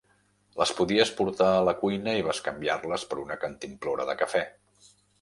Les podies portar a la cuina i bescanviar-les per una cantimplora de cafè.